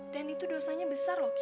dan itu dosanya besar loh ki